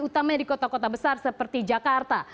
utamanya di kota kota besar seperti jakarta